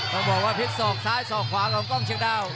ก็บอกว่าที่เป็นส่อคทรายส่อคกรขวากล้องกล้องเชิงดาว